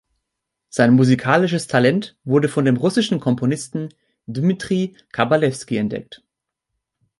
Sein musikalisches Talent wurde von dem russischen Komponisten Dmitri Kabalewski entdeckt.